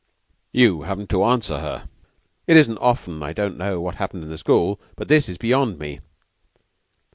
"You haven't to answer her. It isn't often I don't know what has happened in the school; but this is beyond me."